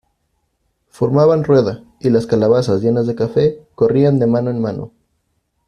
formaban rueda, y las calabazas llenas de café , corrían de mano en mano.